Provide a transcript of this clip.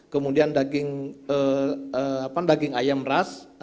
kemudian daging ayam ras